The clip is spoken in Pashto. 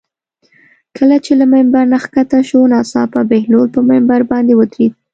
کله چې له ممبر نه ښکته شو ناڅاپه بهلول پر ممبر باندې ودرېد.